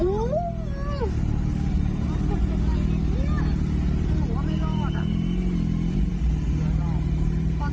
อู้วววผมก็ไม่รอด